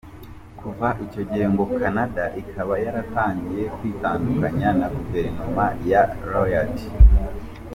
Kuva icyo gihe ngo Canada ikaba yaratangiye kwitandukanya na Guverinoma ya Ryad.